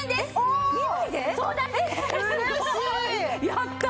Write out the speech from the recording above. やった！